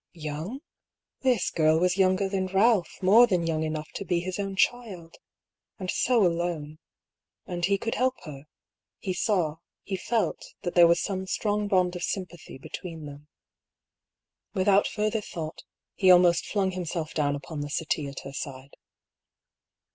.. Young? This girl was younger than Ralph, more than young enough to be his own child. And so alone — ^and he 210 DR. PAULL'S THEORY. could help her; he saw, he felt that there was some strong bond of sympathy between them. Without further thought, he almost flung himself down upon the settee at her side.